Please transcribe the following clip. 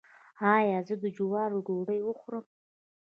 ایا زه د جوارو ډوډۍ وخورم؟